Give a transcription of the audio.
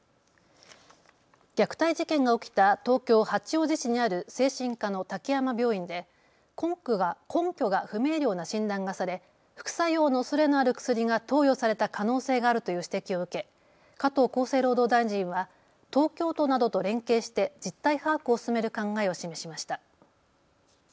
虐待事件が起きた東京八王子市にある精神科の滝山病院で根拠が不明瞭な診断がされ副作用のおそれのある薬が投与された可能性があるという指摘を受け加藤厚生労働大臣は東京都などと連携して実態把握を進める考えを示しました。